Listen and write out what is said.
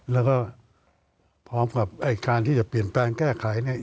แล้วก็พร้อมกับการที่จะเปลี่ยนแปลงแก้ไข